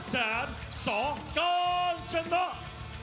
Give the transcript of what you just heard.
ยอดแสนสกัญจนัก